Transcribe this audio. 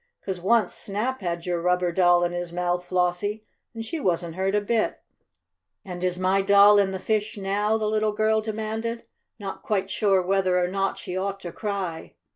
"'Cause once Snap had your rubber doll in his mouth, Flossie, and she wasn't hurt a bit." "And is my doll in the fish now?" the little girl demanded, not quite sure whether or not she ought to cry.